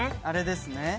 あれですね。